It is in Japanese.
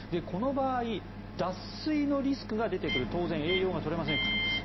この場合脱水のリスクが出てくる当然、栄養が取れませんから。